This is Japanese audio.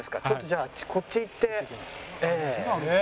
ちょっとじゃあこっち行って。